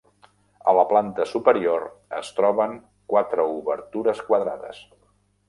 A la planta superior es troben quatre obertures quadrades.